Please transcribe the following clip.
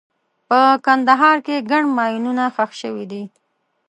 په کندهار کې ګڼ ماینونه ښخ شوي دي.